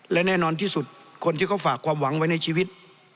และแน่นอนที่สุดคนที่เขาฝากความหวังไว้ในชีวิต